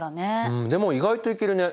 あっでも意外といけるね。